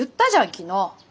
昨日。